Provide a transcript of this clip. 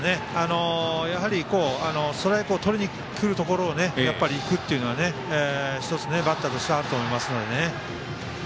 やはりストライクをとりにくるところをいくっていうのは、１つバッターとしてあると思います。